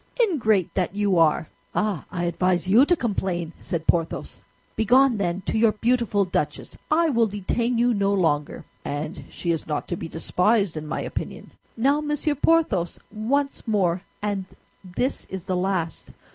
"Ingrate that you are!" "Ah! I advise you to complain!" said Porthos. "Begone, then, to your beautiful duchess; I will detain you no longer." "And she is not to be despised, in my opinion." "Now, Monsieur Porthos, once more, and this is the last!